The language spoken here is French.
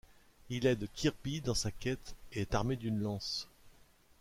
Il aide Kirby dans sa quête et est armé d'une lance.